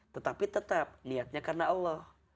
tetapi tetap niatnya karena allah